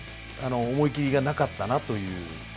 思いきりがなかったなという。